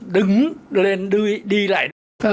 đứng lên đi lại